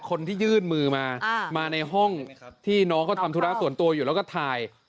คนที่ยื่นมือมามาในห้องที่น้องเขาทำธุระส่วนตัวอยู่แล้วก็ถ่าย